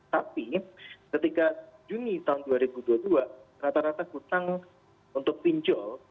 tapi ketika juni tahun dua ribu dua puluh dua rata rata hutang untuk pinjol